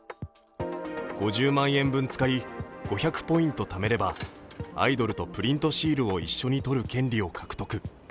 ５０万円分使い、５００ポイントためればアイドルとプリントシールを一緒に撮る権利を獲得。